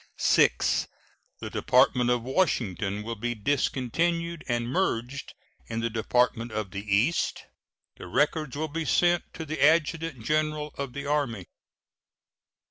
VI. The Department of Washington will be discontinued and merged in the Department of the East. The records will be sent to the Adjutant General of the Army.